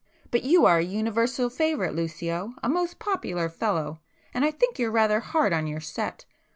But you are a universal favourite Lucio,—a most popular fellow—and I think you're rather hard on your set.